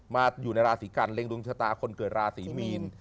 อยู่ในราศีกันเร็งดวงชะตาคนเกิดราศีมีน